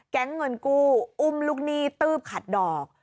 แก๊งเงินกู้อุ้มลูกหนี้ตืบขัดดอก